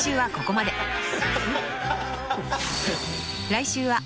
［来週は］